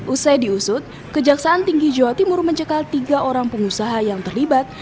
usai diusut kejaksaan tinggi jawa timur mencekal tiga orang pengusaha yang terlibat